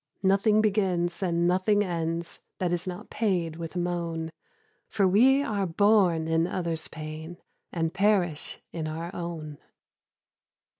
Nothing begins, and nothing ends, That is not paid with moan; For we are born in others' pain, And perish in our own.